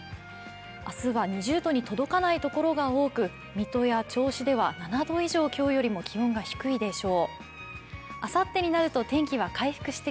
明日は２０度に届かないところが多く、水戸や銚子では７度以上、今日よりも気温が低いでしょう。